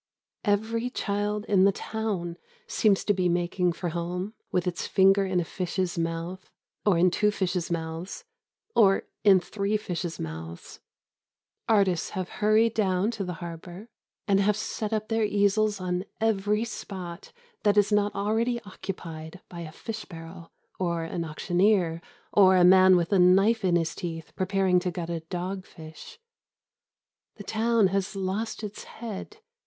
Every child in the town seems to be making for home with its finger in a fish's mouth, or in two fishes' mouths, or in three fishes' mouths. Artists have hurried down to the harbour, and have set up their easels on every spot that is not already occupied by a fish barrel or an auctioneer or a man with a knife in his teeth preparing to gut a dogfish. The town has lost its head.